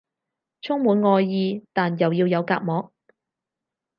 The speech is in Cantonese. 充滿愛意但又要有隔膜